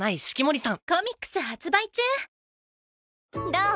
どう？